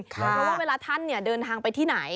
เพราะว่าเวลาท่านเดินทางไปที่ไหน